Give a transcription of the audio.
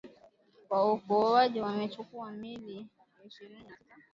Waokoaji wamechukua miili ishirini na sita